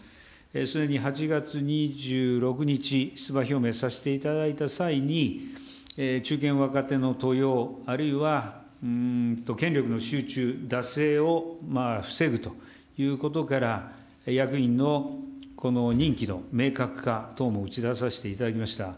それに８月２６日、出馬表明させていただいた際に、中堅・若手の登用、あるいは権力の集中、惰性を防ぐということから、役員の任期の明確化等も打ち出させていただきました。